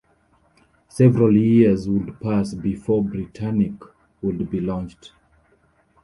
Several years would pass before "Britannic" would be launched.